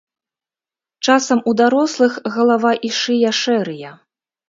Часам у дарослых галава і шыя шэрыя.